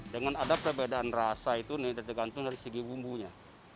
dengan ada perbedaan rasa itu tergantung dari segi bumbunya